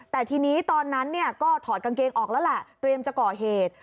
แต่ทีนี้ตอนนั้นก็ถอดกางเกงออกแล้วแหละเตรียมจะก่อเหตุ